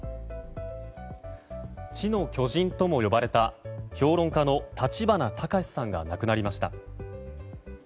知の巨人とも呼ばれた、評論家の立花隆さんがなくなりました。